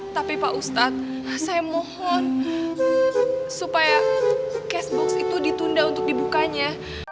tapi pak ustadz saya mohon supaya cashbox itu ditunda untuk dibukanya